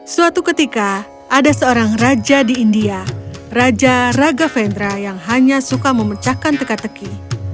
suatu ketika ada seorang raja di india raja ragafendra yang hanya suka memecahkan teka teki